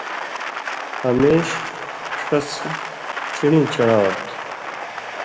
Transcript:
ہمیش ݜس چِن٘ڑیں چن٘ڑاں اور تُھو